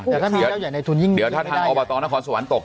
แต่ถ้ามีเจ้าใหญ่ในทุนยิ่งดีเดี๋ยวถ้าทางอบตนครสวรรคตก